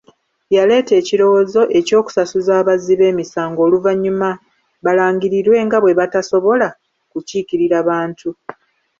Yaleeta ekirowoozo eky'okusasuza abazzi b'emisango oluvannyuma balangirirwe nga bwe batasobola kukiikirira Bantu.